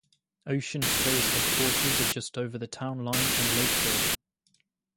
Ocean Spray's headquarters are just over the town line in Lakeville.